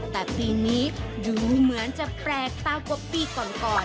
แต่ปีนี้ดูเหมือนจะแปลกตากว่าปีก่อน